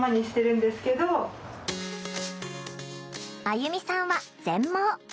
あゆみさんは全盲。